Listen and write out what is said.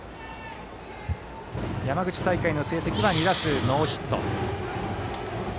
山口大会の成績は２打数ノーヒット。